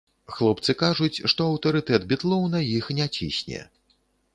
Хлопцы кажуць, што аўтарытэт бітлоў на іх не цісне.